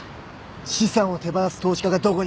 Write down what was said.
資産を手放す投資家がどこにいる？